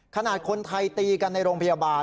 ขนาดคนไทยตีกันในโรงพยาบาล